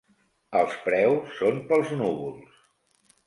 Els preus són pels núvols.